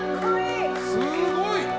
すごい。